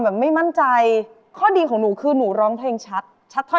เธอมีฉันแต่เมื่อไหร่ฉันจะมีเธอ